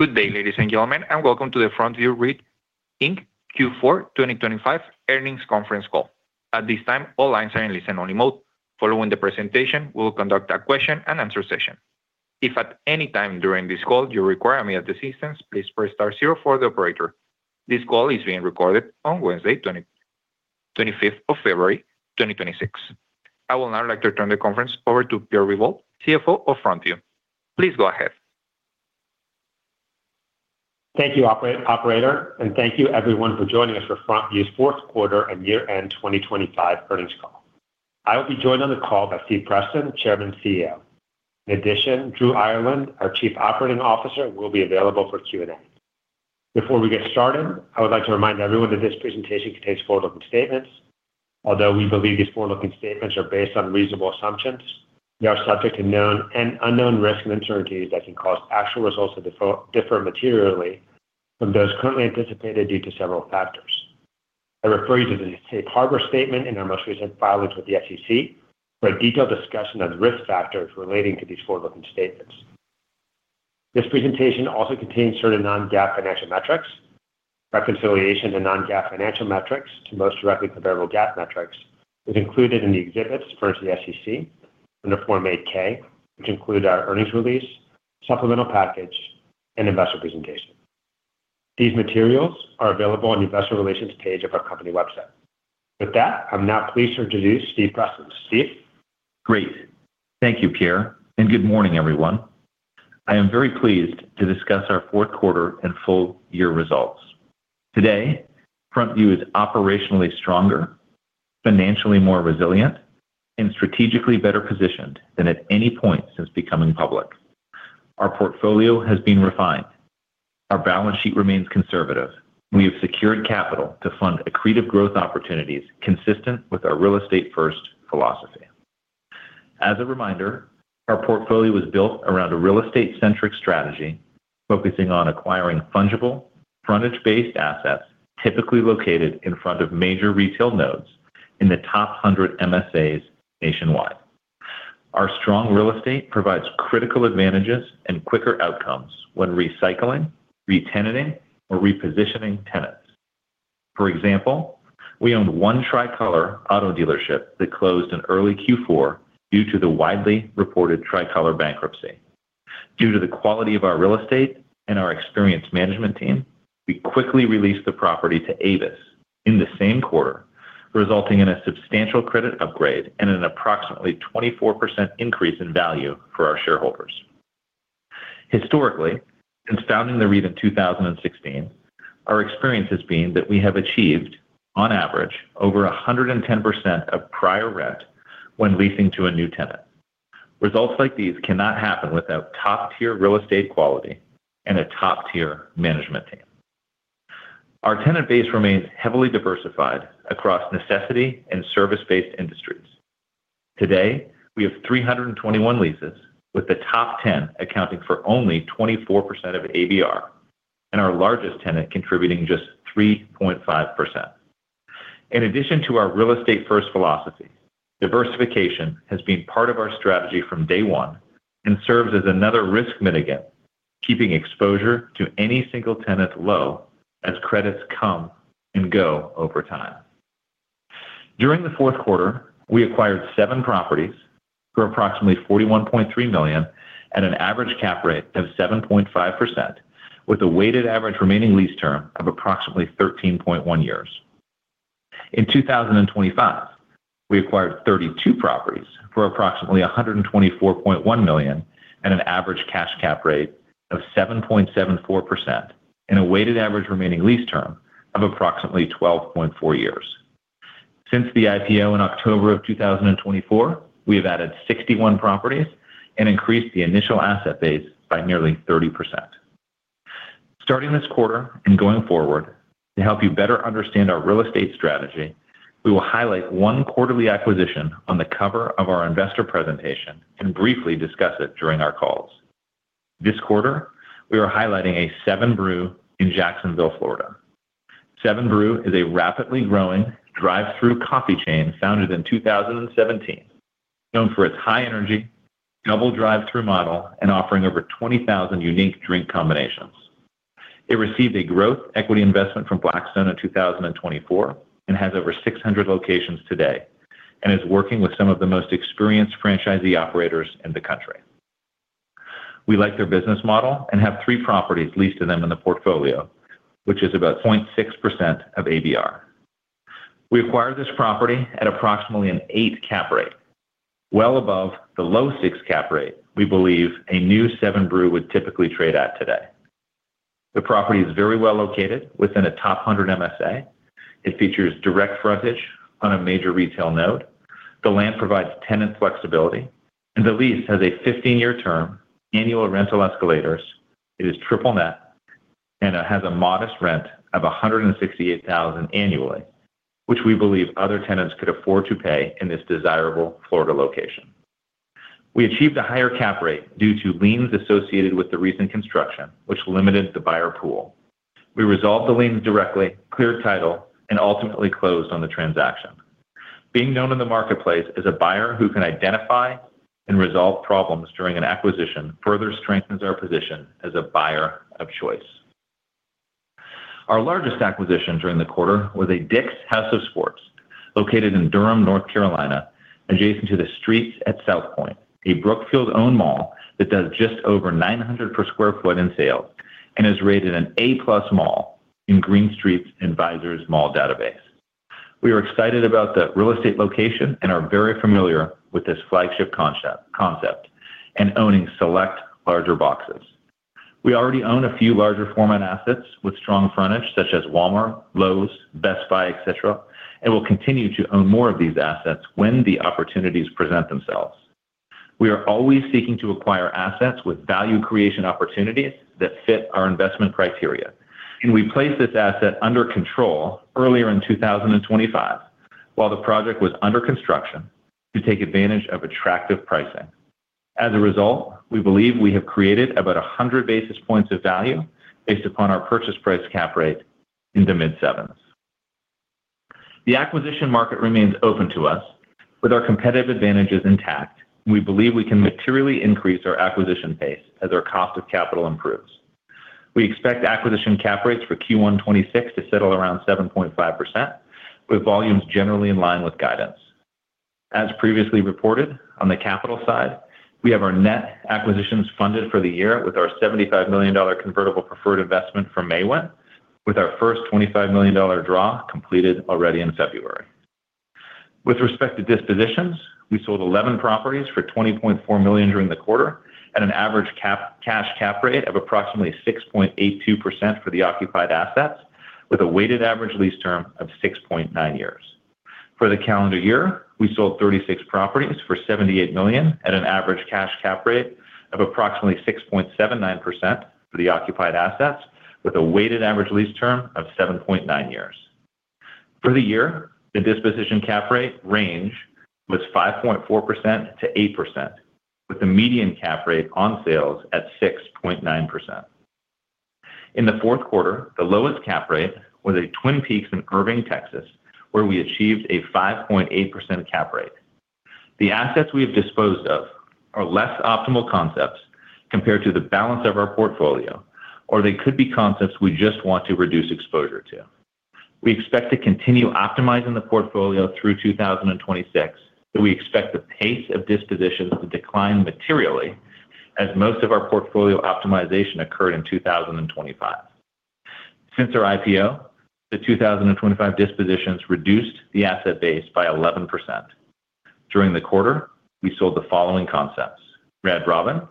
Good day, ladies and gentlemen, and welcome to the FrontView REIT Inc. Q4 2025 Earnings Conference Call. At this time, all lines are in listen-only mode. Following the presentation, we will conduct a question and answer session. If at any time during this call you require immediate assistance, please press star zero for the operator. This call is being recorded on Wednesday, 25th of February, 2026. I will now like to turn the conference over to Pierre Revol, CFO of FrontView. Please go ahead. Thank you, operator, and thank you everyone for joining us for FrontView's fourth quarter and year-end 2025 earnings call. I will be joined on the call by Stephen Preston, Chairman and CEO. In addition, Drew Ireland, our Chief Operating Officer, will be available for Q&A. Before we get started, I would like to remind everyone that this presentation contains forward-looking statements. Although we believe these forward-looking statements are based on reasonable assumptions, they are subject to known and unknown risks and uncertainties that can cause actual results to differ materially from those currently anticipated due to several factors. I refer you to the safe harbor statement in our most recent filings with the SEC for a detailed discussion of risk factors relating to these forward-looking statements. This presentation also contains certain non-GAAP financial metrics. Reconciliation to non-GAAP financial metrics to most directly comparable GAAP metrics is included in the exhibits furnished to the SEC under Form 8-K, which include our earnings release, supplemental package, and investor presentation. These materials are available on the investor relations page of our company website. With that, I'm now pleased to introduce Stephen Preston. Steph? Great. Thank you, Pierre. Good morning, everyone. I am very pleased to discuss our fourth quarter and full year results. Today, FrontView is operationally stronger, financially more resilient, and strategically better positioned than at any point since becoming public. Our portfolio has been refined. Our balance sheet remains conservative. We have secured capital to fund accretive growth opportunities consistent with our real estate first philosophy. As a reminder, our portfolio was built around a real estate-centric strategy, focusing on acquiring fungible, frontage-based assets, typically located in front of major retail nodes in the top 100 MSAs nationwide. Our strong real estate provides critical advantages and quicker outcomes when recycling, re-tenanting, or repositioning tenants. For example, we owned one Tricolor auto dealership that closed in early Q4 due to the widely reported Tricolor bankruptcy. Due to the quality of our real estate and our experienced management team, we quickly released the property to Avis in the same quarter, resulting in a substantial credit upgrade and an approximately 24% increase in value for our shareholders. Historically, since founding the REIT in 2016, our experience has been that we have achieved, on average, over 110% of prior rent when leasing to a new tenant. Results like these cannot happen without top-tier real estate quality and a top-tier management team. Our tenant base remains heavily diversified across necessity and service-based industries. Today, we have 321 leases, with the top 10 accounting for only 24% of ABR, and our largest tenant contributing just 35%. In addition to our real estate first philosophy, diversification has been part of our strategy from day one and serves as another risk mitigant, keeping exposure to any single tenant low as credits come and go over time. During the fourth quarter, we acquired seven properties for approximately $41.3 million, at an average cap rate of 7.5%, with a weighted average remaining lease term of approximately 13.1 years. In 2025, we acquired 32 properties for approximately $124.1 million, at an average cash cap rate of 7.74%, and a weighted average remaining lease term of approximately 12.4 years. Since the IPO in October 2024, we have added 61 properties and increased the initial asset base by nearly 30%. Starting this quarter and going forward, to help you better understand our real estate strategy, we will highlight one quarterly acquisition on the cover of our investor presentation and briefly discuss it during our calls. This quarter, we are highlighting a seven Brew in Jacksonville, Florida. seven Brew is a rapidly growing drive-thru coffee chain founded in 2017, known for its high energy, double drive-thru model, and offering over 20,000 unique drink combinations. It received a growth equity investment from Blackstone in 2024 and has over 600 locations today, and is working with some of the most experienced franchisee operators in the country. We like their business model and have three properties leased to them in the portfolio, which is about 0.6% of ABR. We acquired this property at approximately an eight cap rate, well above the low six cap rate we believe a new seven Brew would typically trade at today. The property is very well located within a top 100 MSA. It features direct frontage on a major retail node. The land provides tenant flexibility, and the lease has a 15-year term, annual rental escalators. It is triple net, and it has a modest rent of $168,000 annually, which we believe other tenants could afford to pay in this desirable Florida location. We achieved a higher cap rate due to liens associated with the recent construction, which limited the buyer pool. We resolved the liens directly, cleared title, and ultimately closed on the transaction. Being known in the marketplace as a buyer who can identify and resolve problems during an acquisition, further strengthens our position as a buyer of choice. Our largest acquisition during the quarter was a DICK'S House of Sport, located in Durham, North Carolina, adjacent to the Streets at Southpoint, a Brookfield-owned mall that does just over $900 per sq ft in sales and is rated an A-plus mall in Green Street's Advisor's Mall database. We are excited about the real estate location and are very familiar with this flagship concept and owning select larger boxes. We already own a few larger format assets with strong frontage such as Walmart, Lowe's, Best Buy, et cetera, and will continue to own more of these assets when the opportunities present themselves. We are always seeking to acquire assets with value creation opportunities that fit our investment criteria. We placed this asset under control earlier in 2025, while the project was under construction to take advantage of attractive pricing. As a result, we believe we have created about 100 basis points of value based upon our purchase price cap rate in the mid-7s. The acquisition market remains open to us. With our competitive advantages intact, we believe we can materially increase our acquisition pace as our cost of capital improves. We expect acquisition cap rates for Q1 2026 to settle around 7.5%, with volumes generally in line with guidance. As previously reported, on the capital side, we have our net acquisitions funded for the year with our $75 million convertible preferred investment from Maewyn, with our first $25 million draw completed already in February. With respect to dispositions, we sold 11 properties for $20.4 million during the quarter at an average cash cap rate of approximately 6.82% for the occupied assets, with a weighted average lease term of 6.9 years. For the calendar year, we sold 36 properties for $78 million at an average cash cap rate of approximately 6.79% for the occupied assets, with a weighted average lease term of 7.9 years. For the year, the disposition cap rate range was 5.4%-8%, with the median cap rate on sales at 6.9%. In the fourth quarter, the lowest cap rate was a Twin Peaks in Irving, Texas, where we achieved a 5.8% cap rate. The assets we have disposed of are less optimal concepts compared to the balance of our portfolio, or they could be concepts we just want to reduce exposure to. We expect to continue optimizing the portfolio through 2026, but we expect the pace of dispositions to decline materially as most of our portfolio optimization occurred in 2025. Since our IPO, the 2025 dispositions reduced the asset base by 11%. During the quarter, we sold the following concepts: Red Robin,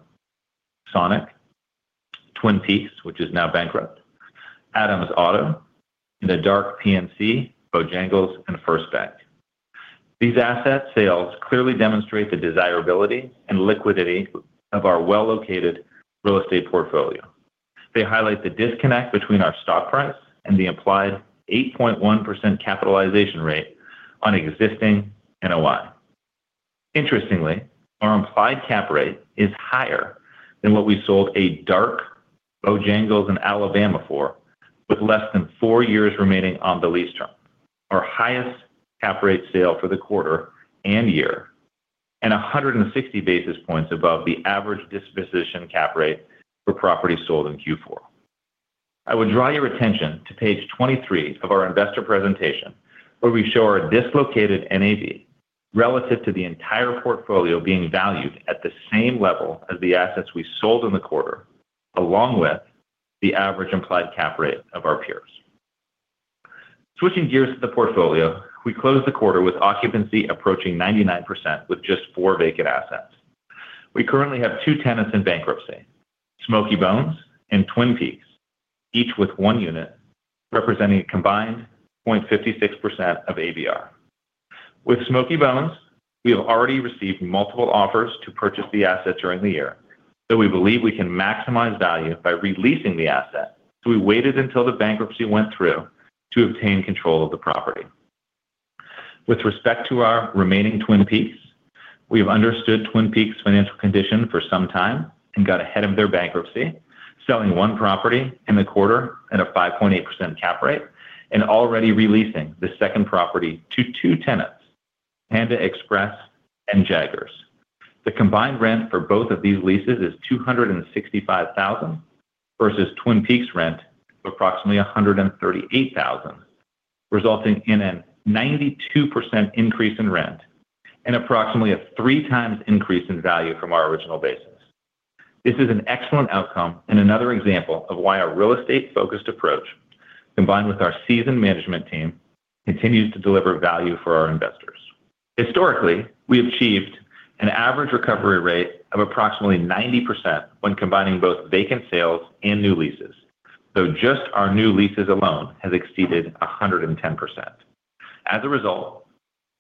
Sonic, Twin Peaks, which is now bankrupt, Adam's Auto, and a dark PNC, Bojangles, and FirstBank. These asset sales clearly demonstrate the desirability and liquidity of our well-located real estate portfolio. They highlight the disconnect between our stock price and the implied 8.1% capitalization rate on existing NOI. Our implied cap rate is higher than what we sold a dark Bojangles in Alabama for, with less than four years remaining on the lease term. Our highest cap rate sale for the quarter and year, 160 basis points above the average disposition cap rate for properties sold in Q4. I would draw your attention to page 23 of our investor presentation, where we show our dislocated NAV relative to the entire portfolio being valued at the same level as the assets we sold in the quarter, along with the average implied cap rate of our peers. Switching gears to the portfolio, we closed the quarter with occupancy approaching 99%, with just four vacant assets. We currently have two tenants in bankruptcy, Smokey Bones and Twin Peaks, each with one unit, representing a combined 0.56% of ABR. With Smokey Bones, we have already received multiple offers to purchase the asset during the year. We believe we can maximize value by re-leasing the asset. We waited until the bankruptcy went through to obtain control of the property. With respect to our remaining Twin Peaks, we have understood Twin Peaks' financial condition for some time and got ahead of their bankruptcy, selling one property in the quarter at a 5.8% cap rate and already re-leasing the second property to two tenants, Panda Express and Jagger's. The combined rent for both of these leases is $265,000, versus Twin Peaks' rent of approximately $138,000, resulting in a 92% increase in rent and approximately a three times increase in value from our original basis. This is an excellent outcome and another example of why our real estate-focused approach, combined with our seasoned management team, continues to deliver value for our investors. Historically, we achieved an average recovery rate of approximately 90% when combining both vacant sales and new leases, though just our new leases alone has exceeded 110%. As a result,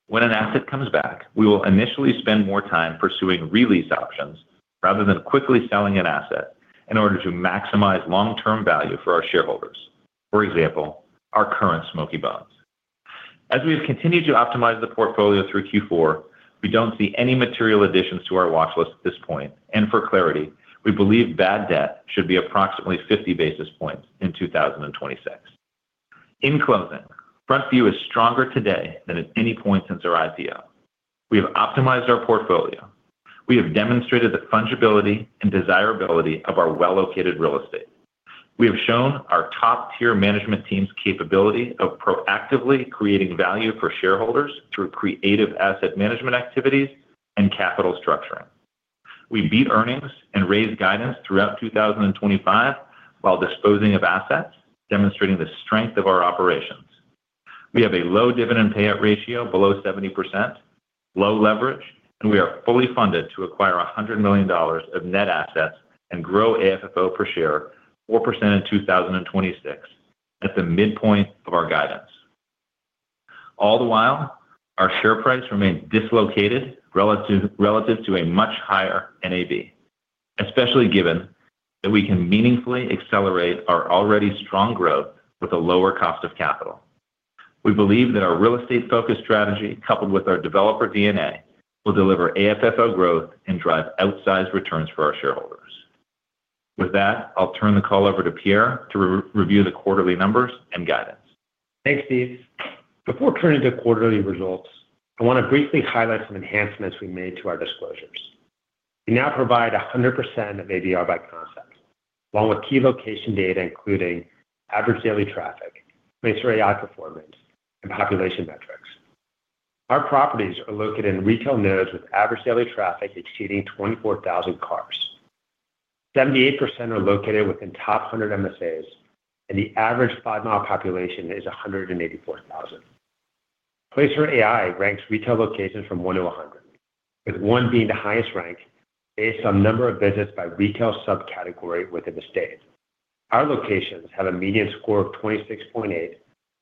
when an asset comes back, we will initially spend more time pursuing re-lease options rather than quickly selling an asset in order to maximize long-term value for our shareholders. For example, our current Smokey Bones. As we have continued to optimize the portfolio through Q4. We don't see any material additions to our watch list at this point. For clarity, we believe bad debt should be approximately 50 basis points in 2026. In closing, FrontView is stronger today than at any point since our IPO. We have optimized our portfolio. We have demonstrated the fungibility and desirability of our well-located real estate. We have shown our top-tier management team's capability of proactively creating value for shareholders through creative asset management activities and capital structuring. We beat earnings and raised guidance throughout 2025 while disposing of assets, demonstrating the strength of our operations. We have a low dividend payout ratio below 70%, low leverage, and we are fully funded to acquire $100 million of net assets and grow AFFO per share 4% in 2026 at the midpoint of our guidance. All the while, our share price remains dislocated relative to a much higher NAV, especially given that we can meaningfully accelerate our already strong growth with a lower cost of capital. We believe that our real estate-focused strategy, coupled with our developer DNA, will deliver AFFO growth and drive outsized returns for our shareholders. With that, I'll turn the call over to Pierre to re-review the quarterly numbers and guidance. Thanks, Steph. Before turning to quarterly results, I want to briefly highlight some enhancements we made to our disclosures. We now provide 100% of ADR by concept, along with key location data, including average daily traffic, PlaceAI performance, and population metrics. Our properties are located in retail nodes, with average daily traffic exceeding 24,000 cars. 78% are located within top 100 MSAs, and the average five-mile population is 184,000. PlaceAI ranks retail locations from one to 100, with one being the highest rank based on number of visits by retail subcategory within the state. Our locations have a median score of 26.8,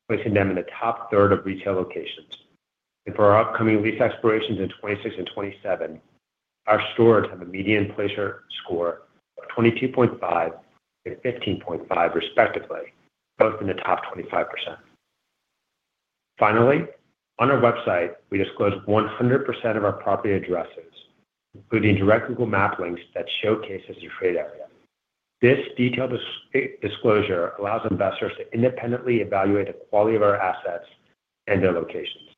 placing them in the top third of retail locations. For our upcoming lease expirations in 2026 and 2027, our stores have a median Placer score of 22.5 and 15.5, respectively, both in the top 25%. Finally, on our website, we disclose 100% of our property addresses, including direct Google Maps links that showcase the trade area. This detailed disclosure allows investors to independently evaluate the quality of our assets and their locations.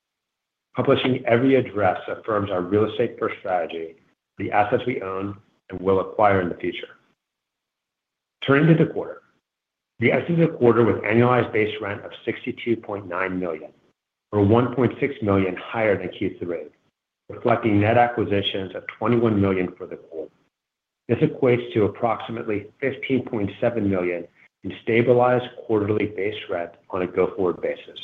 Publishing every address affirms our real estate first strategy, the assets we own, and will acquire in the future. Turning to the quarter. We entered the quarter with annualized base rent of $62.9 million, or $1.6 million higher than keeps the rate, reflecting net acquisitions of $21 million for the quarter. This equates to approximately $15.7 million in stabilized quarterly base rent on a go-forward basis.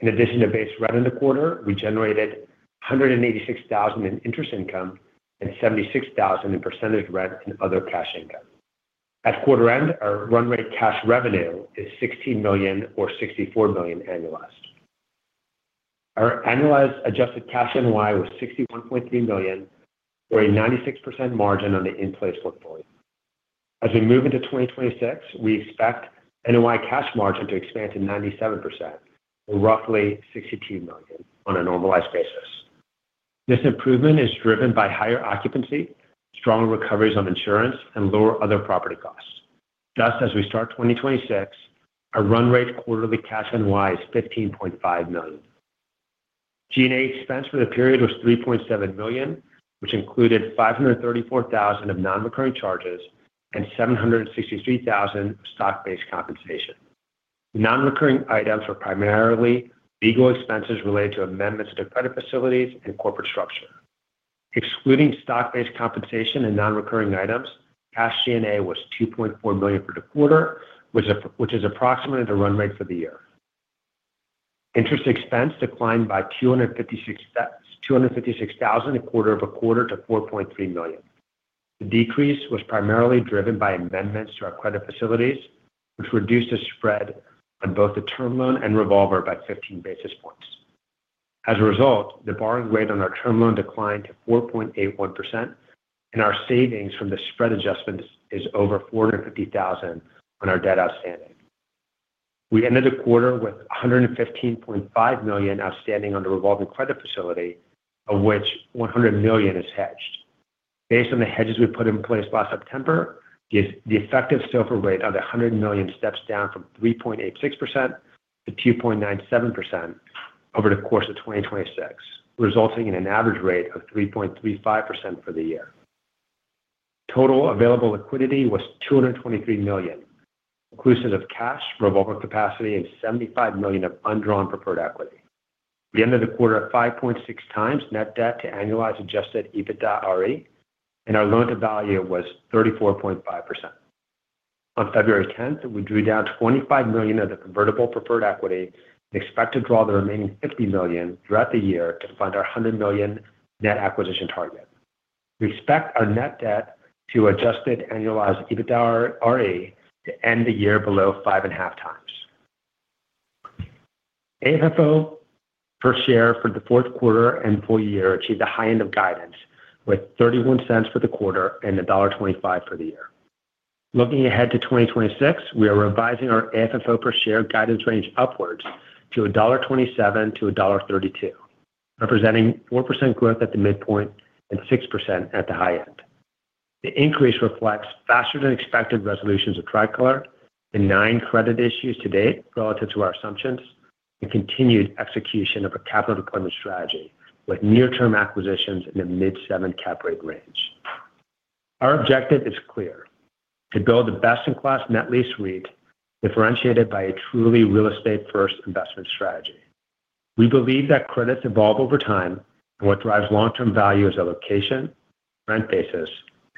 In addition to base rent in the quarter, we generated $186,000 in interest income and $76,000 in percentage rent and other cash income. At quarter end, our run rate cash revenue is $16 million or $64 million annualized. Our annualized adjusted cash NOI was $61.3 million or a 96% margin on the in-place portfolio. As we move into 2026, we expect NOI cash margin to expand to 97%, or roughly $16 million on a normalized basis. This improvement is driven by higher occupancy, strong recoveries on insurance, and lower other property costs. Thus, as we start 2026, our run rate quarterly cash NOI is $15.5 million. G&A expense for the period was $3.7 million, which included $534,000 of non-recurring charges and $763,000 of stock-based compensation. Non-recurring items were primarily legal expenses related to amendments to credit facilities and corporate structure. Excluding stock-based compensation and non-recurring items, cash G&A was $2.4 million for the quarter, which is approximately the run rate for the year. Interest expense declined by $256,000 quarter-over-quarter to $4.3 million. The decrease was primarily driven by amendments to our credit facilities, which reduced the spread on both the term loan and revolver by 15 basis points. As a result, the borrowing rate on our term loan declined to 4.81%, and our savings from the spread adjustments is over $450,000 on our debt outstanding. We ended the quarter with $115.5 million outstanding on the revolving credit facility, of which $100 million is hedged. Based on the hedges we put in place last September, the effective SOFR rate of the $100 million steps down from 3.86% to 2.97% over the course of 2026, resulting in an average rate of 3.35% for the year. Total available liquidity was $223 million, inclusive of cash, revolver capacity, and $75 million of undrawn preferred equity. We ended the quarter at 5.6x net debt to annualized adjusted EBITDARE, and our loan-to-value was 34.5%. On February 10th, we drew down $25 million of the convertible preferred equity and expect to draw the remaining $50 million throughout the year to fund our $100 million net acquisition target. We expect our net debt to adjusted annualized EBITDARE to end the year below 5.5 times. AFFO per share for the fourth quarter and full year achieved the high end of guidance with $0.31 for the quarter and $1.25 for the year. Looking ahead to 2026, we are revising our AFFO per share guidance range upwards to $1.27-$1.32, representing 4% growth at the midpoint and 6% at the high end. The increase reflects faster than expected resolutions of Tricolor and non-credit issues to date relative to our assumptions. Continued execution of a capital deployment strategy with near-term acquisitions in the mid-7% cap rate range. Our objective is clear: to build the best-in-class net lease REIT, differentiated by a truly real estate-first investment strategy. We believe that credits evolve over time. What drives long-term value is our location, rent basis,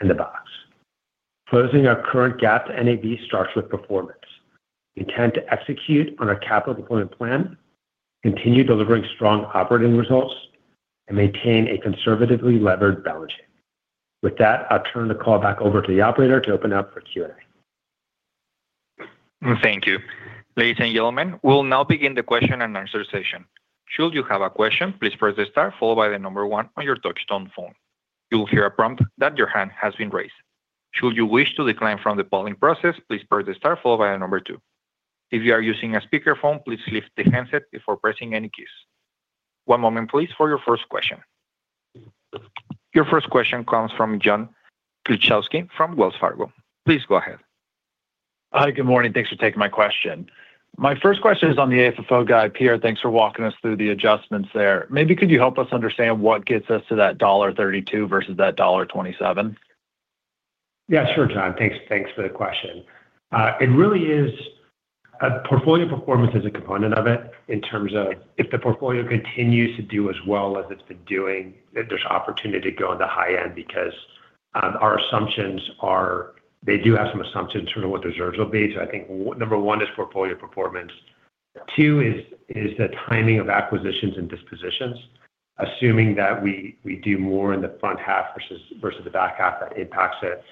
and the box. Closing our current gap to NAV starts with performance. We intend to execute on our capital deployment plan, continue delivering strong operating results. Maintain a conservatively levered balance sheet. With that, I'll turn the call back over to the operator to open up for Q&A. Thank you. Ladies and gentlemen, we'll now begin the question and answer session. Should you have a question, please press star followed by the one on your touchtone phone. You will hear a prompt that your hand has been raised. Should you wish to decline from the polling process, please press star followed by a 2. If you are using a speakerphone, please lift the handset before pressing any keys. One moment, please, for your first question. Your first question comes from John Kilichowski from Wells Fargo. Please go ahead. Hi, good morning. Thanks for taking my question. My first question is on the AFFO guide. Pierre, thanks for walking us through the adjustments there. Could you help us understand what gets us to that $1.32 versus that $1.27? Yeah, sure, John. Thanks for the question. It really is a portfolio performance is a component of it in terms of if the portfolio continues to do as well as it's been doing, if there's opportunity to go on the high end, because, our assumptions are, they do have some assumptions in terms of what the reserves will be. I think number one is portfolio performance. Two is the timing of acquisitions and dispositions, assuming that we do more in the front half versus the back half, that impacts it.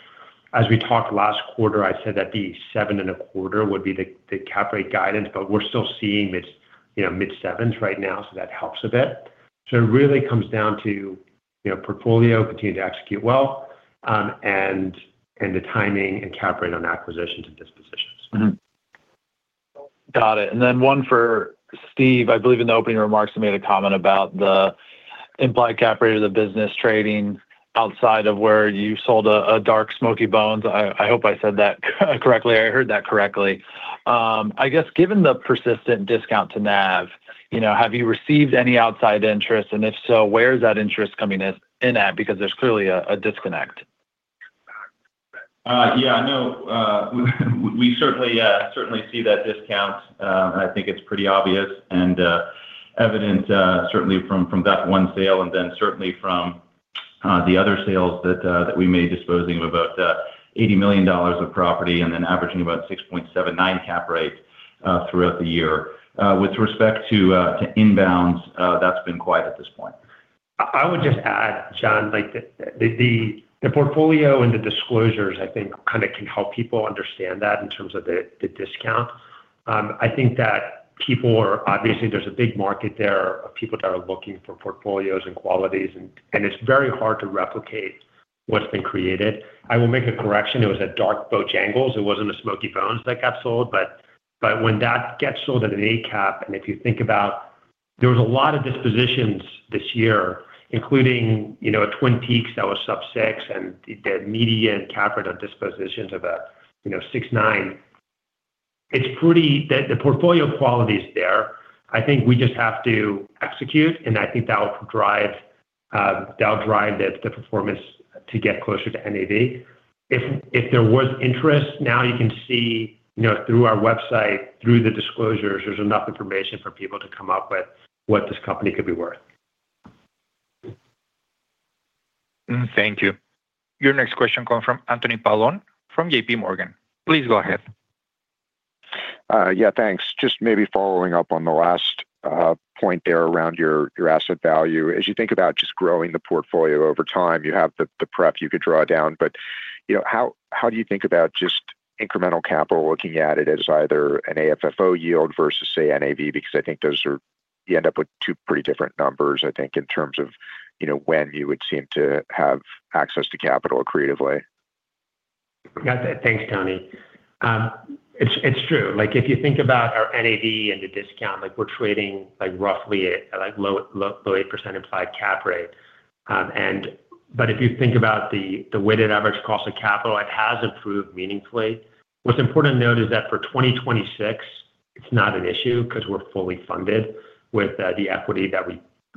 As we talked last quarter, I said that the seven and a quarter would be the cap rate guidance, but we're still seeing it's, you know, mid-sevens right now, so that helps a bit. It really comes down to, you know, portfolio continuing to execute well, and the timing and cap rate on acquisitions and dispositions. Got it. One for Steph. I believe in the opening remarks, you made a comment about the implied cap rate of the business trading outside of where you sold a dark Smokey Bones. I hope I said that correctly or I heard that correctly. I guess given the persistent discount to NAV, you know, have you received any outside interest, and if so, where is that interest coming in at? There's clearly a disconnect. Yeah, no, we certainly see that discount, and I think it's pretty obvious and evident certainly from that one sale, and then certainly from the other sales that we made, disposing of about $80 million of property and then averaging about 6.79 cap rates throughout the year. With respect to inbounds, that's been quiet at this point. I would just add, John, like the portfolio and the disclosures, I think, kind of can help people understand that in terms of the discount. Obviously, there's a big market there of people that are looking for portfolios and qualities, and it's very hard to replicate what's been created. I will make a correction. It was a dark Bojangles. It wasn't a Smokey Bones that got sold, but when that gets sold at an ACAP, and if you think about there was a lot of dispositions this year, including, you know, at Twin Peaks, that was sub 6, and the median cap rate of dispositions about, you know, 6.9%. The portfolio quality is there. I think we just have to execute, I think that will drive the performance to get closer to NAV. If there was interest, now you can see, you know, through our website, through the disclosures, there's enough information for people to come up with what this company could be worth. Thank you. Your next question come from Anthony Paolone from JPMorgan. Please go ahead. Yeah, thanks. Just maybe following up on the last point there around your asset value. As you think about just growing the portfolio over time, you have the prep you could draw down, but, you know, how do you think about just incremental capital, looking at it as either an AFFO yield versus, say, NAV? Because I think those are, you end up with two pretty different numbers, I think, in terms of, you know, when you would seem to have access to capital creatively. Got it. Thanks, Tony. It's true. Like, if you think about our NAV and the discount, like we're trading like roughly a like low, low, low 8% implied cap rate. But if you think about the weighted average cost of capital, it has improved meaningfully. What's important to note is that for 2026, it's not an issue because we're fully funded with the equity that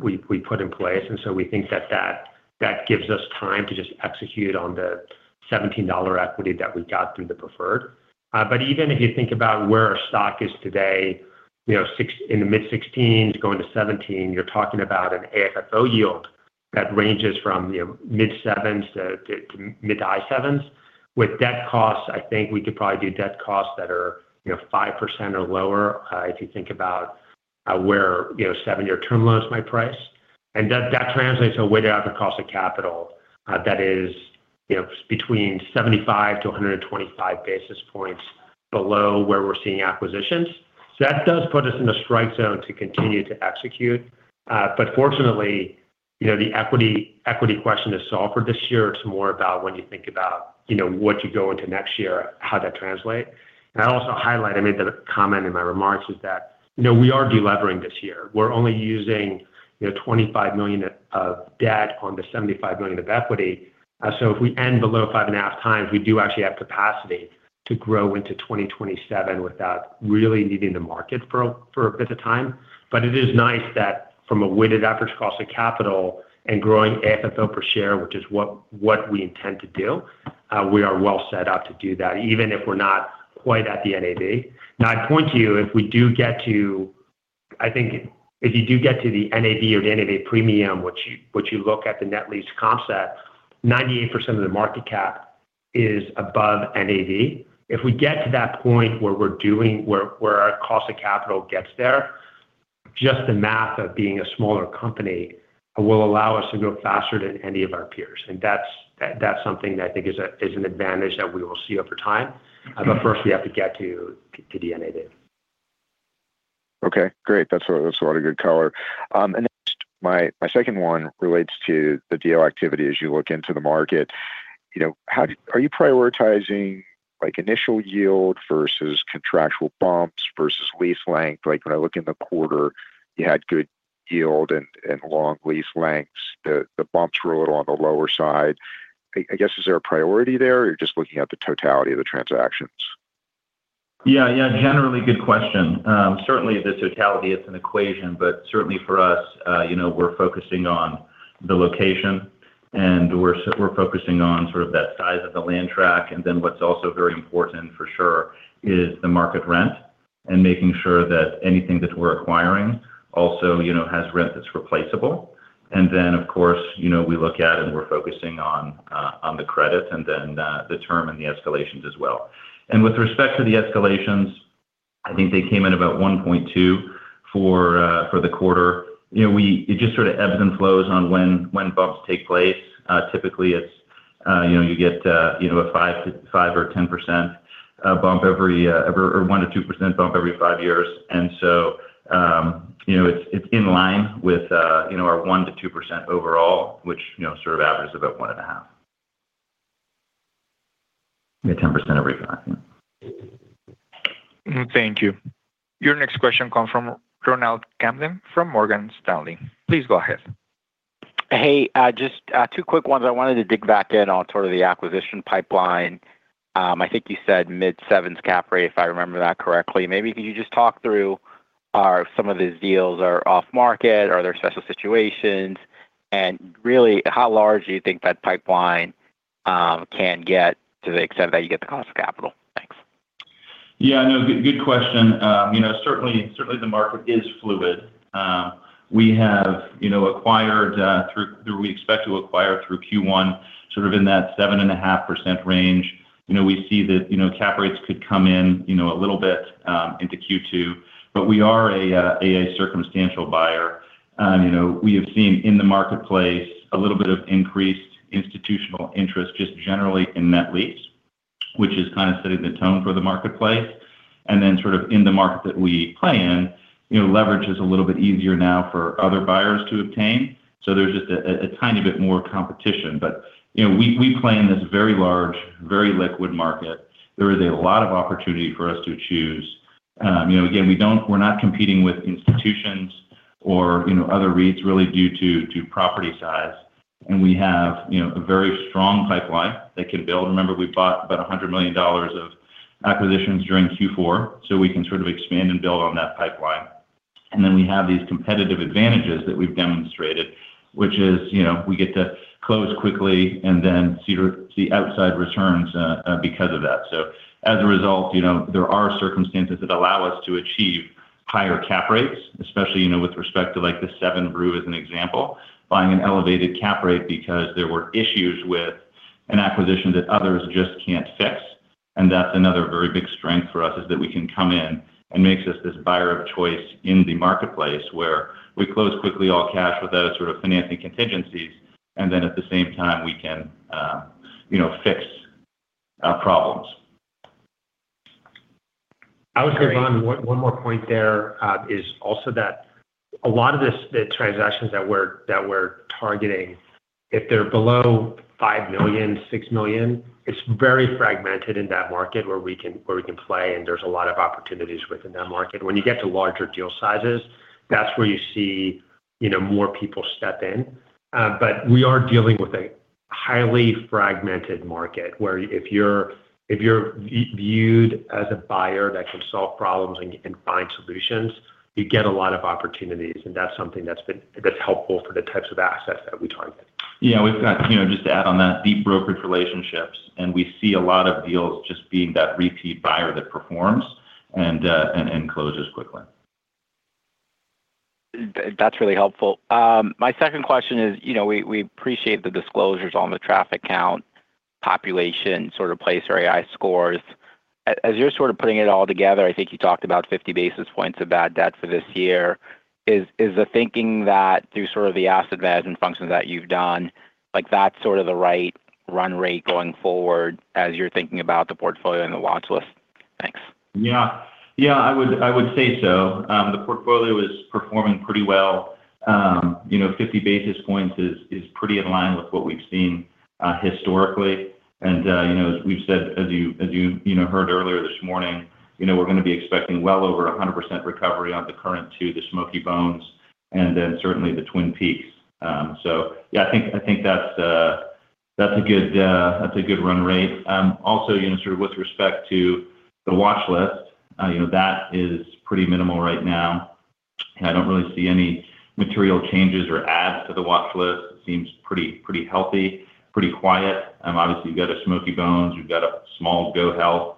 we put in place, so we think that gives us time to just execute on the $17 equity that we got through the preferred. Even if you think about where our stock is today, you know, in the mid-sixteens, going to 17, you're talking about an AFFO yield that ranges from, you know, mid-sevens to mid-high sevens. With debt costs, I think we could probably do debt costs that are, you know, 5% or lower, if you think about, where, you know, 7-year term loans might price. That translates to a weighted average cost of capital, that is, you know, between 75 to 125 basis points below where we're seeing acquisitions. That does put us in a strike zone to continue to execute. Fortunately, you know, the equity question is solved for this year. It's more about when you think about, you know, what you go into next year, how that translate. I also highlight, I made the comment in my remarks is that, you know, we are delevering this year. We're only using, you know, $25 million of debt on the $75 million of equity. If we end below five and a half times, we do actually have capacity to grow into 2027 without really needing to market for a bit of time. It is nice that from a weighted average cost of capital and growing FFO per share, which is what we intend to do, we are well set up to do that, even if we're not quite at the NAV. I'd point to you, I think if you do get to the NAV or the NAV premium, which you look at the net lease comp set, 98% of the market cap is above NAV. If we get to that point where we're doing, where our cost of capital gets there, just the math of being a smaller company, will allow us to grow faster than any of our peers. That's something that I think is a, is an advantage that we will see over time. First, we have to get to the NAV. Okay, great. That's a lot of good color. Next, my second one relates to the deal activity as you look into the market. You know, how are you prioritizing, like, initial yield versus contractual bumps versus lease length? Like, when I look in the quarter, you had good yield and long lease lengths. The bumps were a little on the lower side. I guess, is there a priority there, or you're just looking at the totality of the transactions? Yeah, yeah, generally, good question. Certainly, the totality, it's an equation, but certainly for us, you know, we're focusing on the location, and we're focusing on sort of that size of the land track. What's also very important for sure is the market rent and making sure that anything that we're acquiring also, you know, has rent that's replaceable. Of course, you know, we look at and we're focusing on the credit and then the term and the escalations as well. With respect to the escalations, I think they came in about 1.2% for the quarter. You know, it just sort of ebbs and flows on when bumps take place. Typically, it's, you know, you get, you know, a five or 10% bump or 1% to 2% bump every five years. You know, it's in line with, you know, our 1% to 2% overall, which, you know, sort of averages about 1.5. Yeah, 10% every 5, yeah. Thank you. Your next question comes from Ronald Kamdem from Morgan Stanley. Please go ahead. Just two quick ones. I wanted to dig back in on sort of the acquisition pipeline. I think you said mid-7s cap rate, if I remember that correctly. Maybe could you just talk through, are some of these deals are off market, are there special situations? Really, how large do you think that pipeline can get to the extent that you get the cost of capital? Thanks. Yeah, no, good question. You know, certainly the market is fluid. We have, you know, acquired, we expect to acquire through Q1, sort of in that 7.5% range. You know, we see that, you know, cap rates could come in, you know, a little bit into Q2, but we are a circumstantial buyer. You know, we have seen in the marketplace a little bit of increased institutional interest, just generally in net lease, which is kinda setting the tone for the marketplace. Then sort of in the market that we play in, you know, leverage is a little bit easier now for other buyers to obtain. There's just a tiny bit more competition. You know, we play in this very large, very liquid market. There is a lot of opportunity for us to choose. You know, again, we're not competing with institutions or, you know, other REITs really due to property size. We have, you know, a very strong pipeline that could build. Remember, we bought about $100 million of acquisitions during Q4, so we can sort of expand and build on that pipeline. We have these competitive advantages that we've demonstrated, which is, you know, we get to close quickly and then see outside returns because of that. As a result, you know, there are circumstances that allow us to achieve higher cap rates, especially, you know, with respect to, like, the seven Brew as an example, buying an elevated cap rate because there were issues with an acquisition that others just can't fix. That's another very big strength for us, is that we can come in and makes us this buyer of choice in the marketplace, where we close quickly all cash without a sort of financing contingencies, and then at the same time, we can, you know, fix problems. I would say, Ron, one more point there, is also that a lot of this, the transactions that we're targeting, if they're below $5 million, $6 million, it's very fragmented in that market where we can play, and there's a lot of opportunities within that market. When you get to larger deal sizes, that's where you see, you know, more people step in. We are dealing with a highly fragmented market, where if you're viewed as a buyer that can solve problems and find solutions, you get a lot of opportunities, and that's something that's helpful for the types of assets that we target. We've got, you know, just to add on that, deep brokerage relationships, and we see a lot of deals just being that repeat buyer that performs and closes quickly. That's really helpful. My second question is, you know, we appreciate the disclosures on the traffic count, population, sort of PlaceAI scores. As you're sort of putting it all together, I think you talked about 50 basis points of bad debt for this year. Is the thinking that through sort of the asset management functions that you've done, like, that's sort of the right run rate going forward as you're thinking about the portfolio and the watch list? Yeah, I would say so. The portfolio is performing pretty well. You know, 50 basis points is pretty in line with what we've seen historically. You know, as we've said, as you know, heard earlier this morning, you know, we're going to be expecting well over 100% recovery on the current to the Smokey Bones and then certainly the Twin Peaks. Yeah, I think that's a good run rate. Also, you know, sort of with respect to the watch list, you know, that is pretty minimal right now, and I don't really see any material changes or adds to the watch list. It seems pretty healthy, pretty quiet. Obviously, you've got a Smokey Bones, you've got a small GoHealth,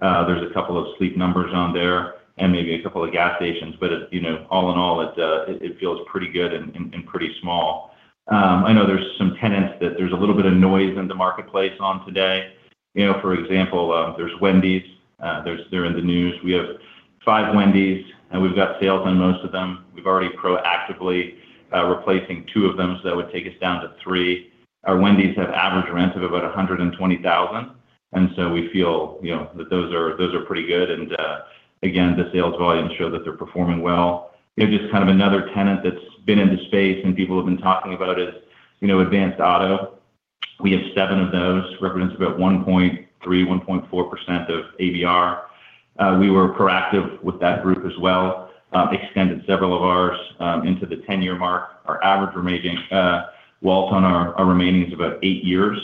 there's a couple of Sleep Number on there, and maybe a couple of gas stations, you know, all in all, it feels pretty good and pretty small. I know there's some tenants that there's a little bit of noise in the marketplace on today. You know, for example, there's Wendy's, they're in the news. We have five Wendy's, we've got sales on most of them. We've already proactively replacing two of them, that would take us down to three. Our Wendy's have average rents of about $120,000, we feel, you know, that those are pretty good. Again, the sales volumes show that they're performing well. You know, just kind of another tenant that's been in the space and people have been talking about is, you know, Advance Auto. We have seven of those, represents about 1.3%-1.4% of ABR. We were proactive with that group as well, extended several of ours into the 10-year mark. Our average remaining walls on our remaining is about eight years.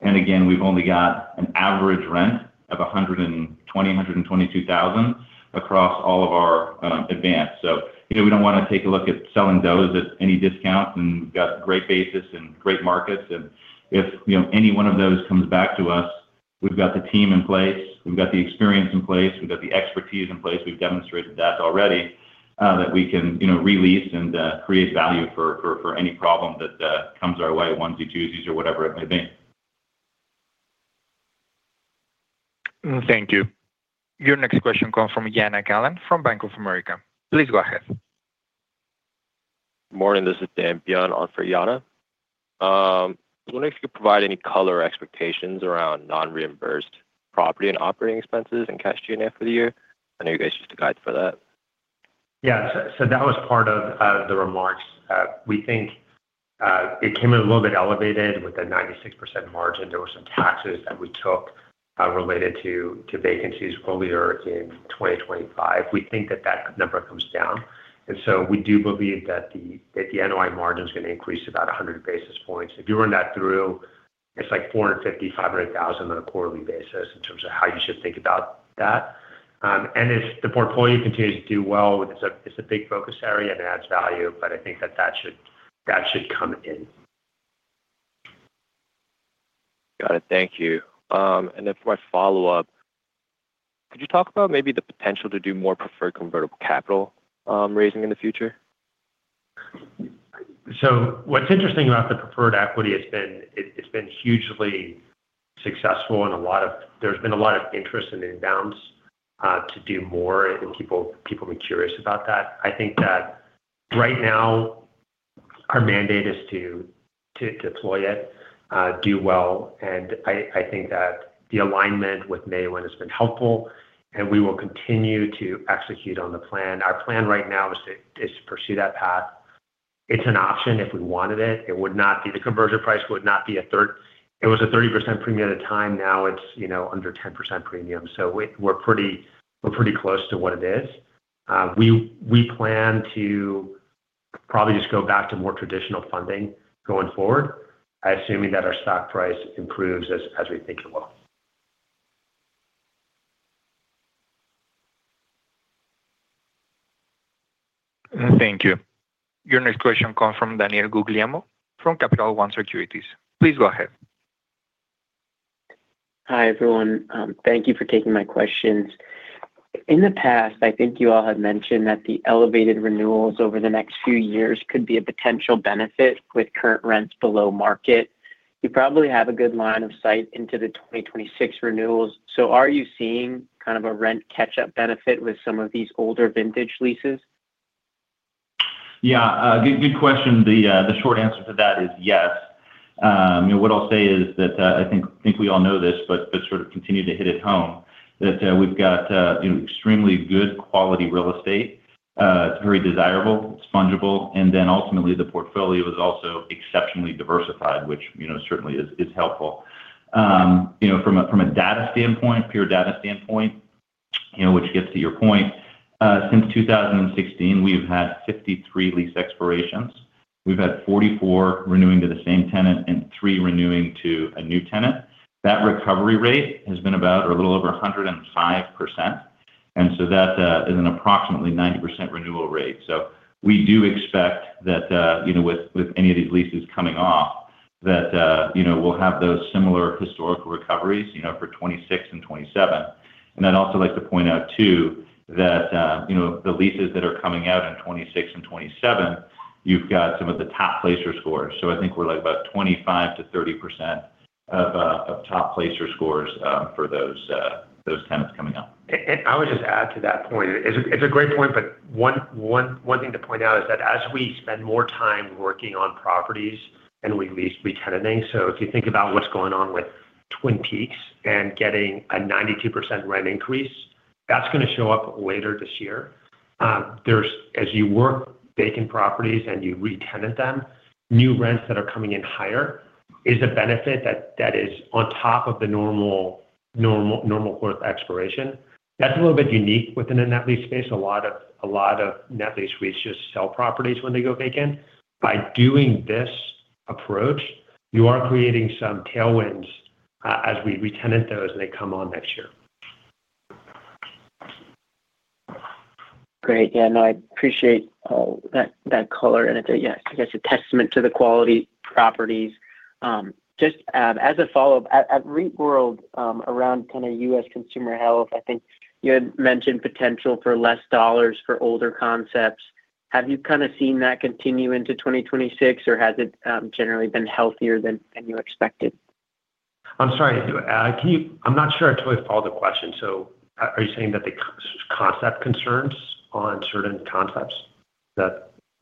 Again, we've only got an average rent of $120,000-$122,000 across all of our Advance. You know, we don't want to take a look at selling those at any discount, and we've got great basis and great markets. If, you know, any one of those comes back to us, we've got the team in place, we've got the experience in place, we've got the expertise in place. We've demonstrated that already, that we can, you know, re-lease and create value for any problem that comes our way, onesie, twosies, or whatever it may be. Thank you. Your next question comes from Jana Callan, from Bank of America. Please go ahead. Morning, this is Dan Phan on for Jana. I was wondering if you could provide any color or expectations around non-reimbursed property and operating expenses and cash G&A for the year. I know you guys used a guide for that. That was part of the remarks. We think it came in a little bit elevated with a 96% margin. There were some taxes that we took related to vacancies earlier in 2025. We think that that number comes down. We do believe that the NOI margin is going to increase about 100 basis points. If you run that through, it's like $450,000-$500,000 on a quarterly basis in terms of how you should think about that. If the portfolio continues to do well, it's a, it's a big focus area, and it adds value, I think that should come in. Got it. Thank you. Then for my follow-up, could you talk about maybe the potential to do more preferred convertible capital, raising in the future? What's interesting about the preferred equity, it's been, it's been hugely successful, and there's been a lot of interest in inbounds to do more, and people be curious about that. I think that right now, our mandate is to deploy it, do well, and I think that the alignment with Maewyn has been helpful, and we will continue to execute on the plan. Our plan right now is to pursue that path. It's an option if we wanted it. It would not be the conversion price would not be a 30% premium at a time, now it's, you know, under 10% premium. We're pretty close to what it is. We plan to probably just go back to more traditional funding going forward, assuming that our stock price improves as we think it will. Thank you. Your next question comes from Daniel Guglielmo, from Capital One Securities. Please go ahead. Hi, everyone. Thank you for taking my questions. In the past, I think you all have mentioned that the elevated renewals over the next few years could be a potential benefit with current rents below market. You probably have a good line of sight into the 2026 renewals. Are you seeing kind of a rent catch-up benefit with some of these older vintage leases? Yeah, good question. The short answer to that is yes. What I'll say is that, I think we all know this, but sort of continue to hit it home, that we've got, you know, extremely good quality real estate. It's very desirable, it's fungible, and then ultimately, the portfolio is also exceptionally diversified, which, you know, certainly is helpful. You know, from a data standpoint, pure data standpoint, you know, which gets to your point, since 2016, we've had 53 lease expirations. We've had 44 renewing to the same tenant and three renewing to a new tenant. That recovery rate has been about or a little over 105%, so that is an approximately 90% renewal rate. We do expect that, you know, with any of these leases coming off, that, you know, we'll have those similar historical recoveries, you know, for 2026 and 2027. I'd also like to point out, too, that, you know, the leases that are coming out in 2026 and 2027, you've got some of the top placer scores. I think we're like about 25%-30% of top placer scores, for those tenants coming up. I would just add to that point. One thing to point out is that as we spend more time working on properties and we lease retenanting, so if you think about what's going on with. Twin Peaks and getting a 92% rent increase, that's gonna show up later this year. There's, as you work vacant properties and you re-tenant them, new rents that are coming in higher is a benefit that is on top of the normal course expiration. That's a little bit unique within the net lease space. A lot of net lease REITs just sell properties when they go vacant. By doing this approach, you are creating some tailwinds as we re-tenant those, and they come on next year. Great. Yeah, no, I appreciate that color. It's a, yeah, I guess, a testament to the quality properties. Just as a follow-up, at REITworld, around kind of U.S. consumer health, I think you had mentioned potential for less dollars for older concepts. Have you kind of seen that continue into 2026, or has it generally been healthier than you expected? I'm not sure I totally followed the question, are you saying that the concept concerns on certain concepts? Is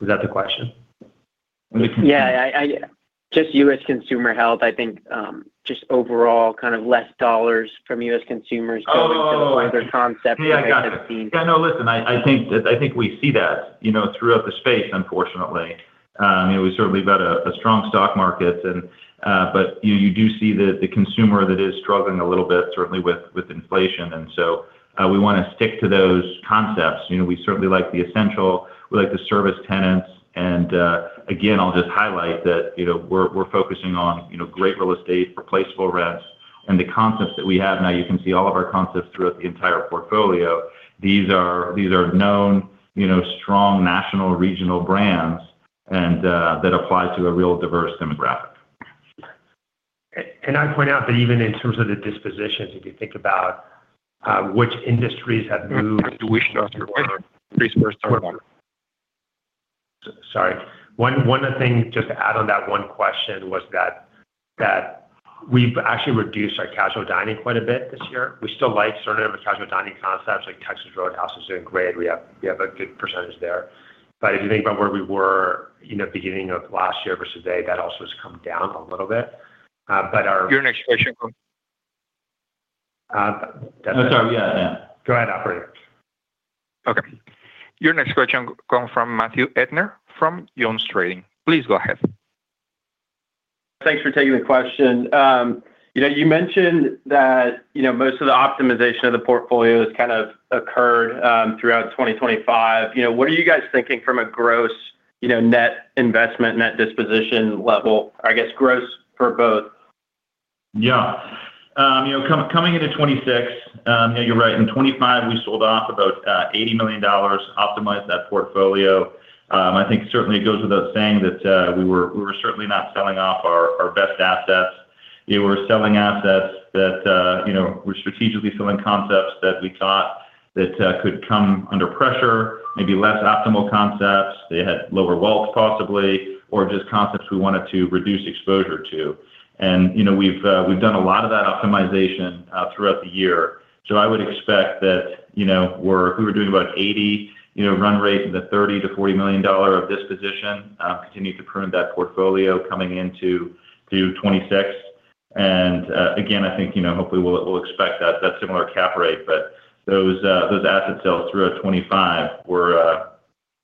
that the question? I, just US consumer health, I think, just overall kind of less dollars from US consumers... Oh! going to the larger concepts. Yeah, I got it. Yeah, no, listen, I think that, I think we see that, you know, throughout the space, unfortunately. You know, we've certainly got a strong stock market and, but you do see the consumer that is struggling a little bit, certainly with inflation, and so, we wanna stick to those concepts. You know, we certainly like the essential, we like the service tenants, and, again, I'll just highlight that, you know, we're focusing on, you know, great real estate, replaceable rents, and the concepts that we have now, you can see all of our concepts throughout the entire portfolio. These are known, you know, strong national, regional brands and, that applies to a real diverse demographic. Can I point out that even in terms of the dispositions, if you think about, which industries have moved... Sorry. Sorry. One other thing, just to add on that one question was that we've actually reduced our casual dining quite a bit this year. We still like certain of the casual dining concepts, like Texas Roadhouse is doing great. We have a good percentage there. If you think about where we were, you know, beginning of last year versus today, that also has come down a little bit. Our- Your next question. Uh. Oh, sorry. Yeah, yeah. Go ahead, operator. Okay. Your next question come from Matthew Erdner, from JonesTrading. Please go ahead. Thanks for taking the question. you know, you mentioned that, you know, most of the optimization of the portfolio has kind of occurred throughout 2025. You know, what are you guys thinking from a gross, you know, net investment, net disposition level, I guess, gross for both? Yeah, you know, coming into 2026, yeah, you're right. In 2025, we sold off about $80 million, optimized that portfolio. I think certainly it goes without saying that we were certainly not selling off our best assets. We were selling assets that, you know, we're strategically selling concepts that we thought that could come under pressure, maybe less optimal concepts. They had lower wallets, possibly, or just concepts we wanted to reduce exposure to. you know, we've done a lot of that optimization throughout the year. I would expect that, you know, we were doing about 80, you know, run rate in the $30 million-$40 million dollar of disposition, continued to prune that portfolio coming into 2026. Again, I think, you know, hopefully, we'll expect that similar cap rate, but those asset sales throughout 25 were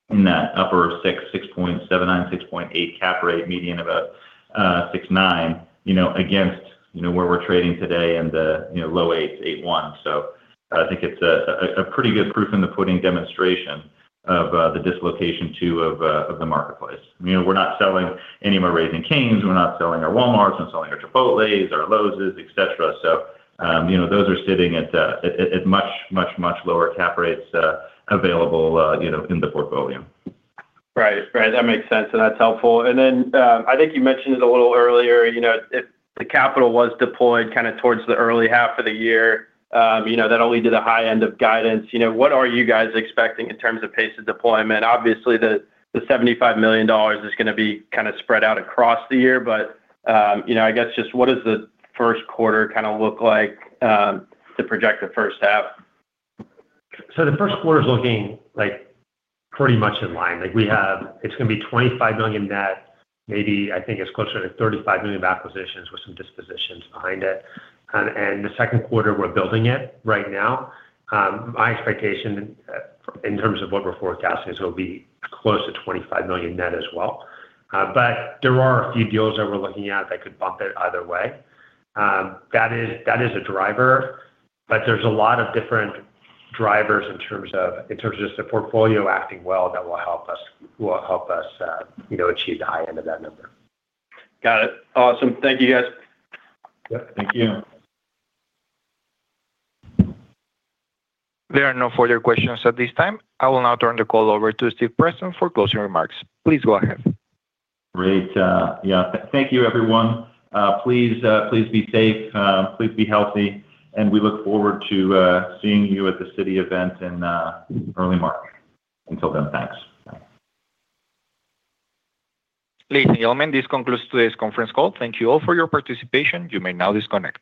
in that upper 6.79, 6.8% cap rate, median about 6.9, you know, against, you know, where we're trading today in the, you know, low 8s, 8.1. I think it's a pretty good proof in the pudding demonstration of the dislocation, too, of the marketplace. You know, we're not selling any more Raising Cane's, we're not selling our Walmarts, we're not selling our Chipotles, our Lowe's, et cetera. You know, those are sitting at much, much, much lower cap rates available, you know, in the portfolio. Right. Right, that makes sense, and that's helpful. I think you mentioned it a little earlier, you know, if the capital was deployed kinda towards the early half of the year, you know, that'll lead to the high end of guidance. You know, what are you guys expecting in terms of pace of deployment? Obviously, the $75 million is gonna be kinda spread out across the year, but, you know, I guess just what does the first quarter kinda look like, to project the first half? The first quarter is looking like pretty much in line. Like, it's gonna be $25 million net, maybe, I think, it's closer to $35 million of acquisitions with some dispositions behind it. The second quarter, we're building it right now. My expectation in terms of what we're forecasting, is it'll be close to $25 million net as well. There are a few deals that we're looking at that could bump it either way. That is a driver, there's a lot of different drivers in terms of just the portfolio acting well that will help us, you know, achieve the high end of that number. Got it. Awesome. Thank you, guys. Yep, thank you. There are no further questions at this time. I will now turn the call over to Stephen Preston for closing remarks. Please go ahead. Great. Yeah, thank you, everyone. Please, please be safe, please be healthy, and we look forward to seeing you at the city event in early March. Until then, thanks. Bye. Ladies and gentlemen, this concludes today's conference call. Thank you all for your participation. You may now disconnect.